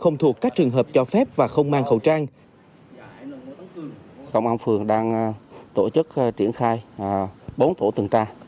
không thuộc các trường hợp cho phép và không mang khẩu trang